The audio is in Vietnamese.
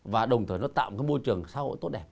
và đồng thời nó tạo một môi trường xã hội tốt đẹp